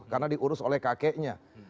karena diurus oleh kakeknya